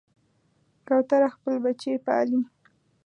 کوتره خپل بچي پالي.